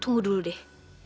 tunggu dulu deh